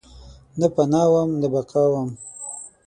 نه پناه وم ، نه بقاوم